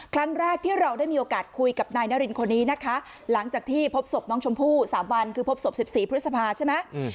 ครั้งแรกที่เราได้มีโอกาสคุยกับนายนารินคนนี้นะคะหลังจากที่พบศพน้องชมพู่๓วันคือพบศพ๑๔พฤษภาใช่ไหม